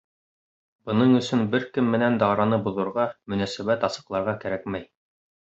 Бының өсөн бер кем менән дә араны боҙорға, мөнәсәбәт асыҡларға кәрәкмәй.